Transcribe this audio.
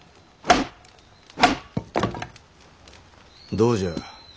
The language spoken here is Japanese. どうじゃ？